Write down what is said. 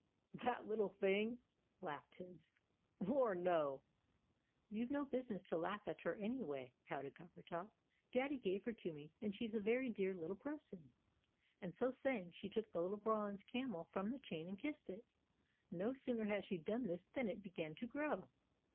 "That little thing!" laughed Tibbs. "Lor, no!" "You've no business to laugh at her, anyway," pouted Coppertop. "Daddy gave her to me, and she's a very dear little person," and, so saying, she took the little bronze camel from the chain and kissed it. No sooner had she done this, than it began to grow.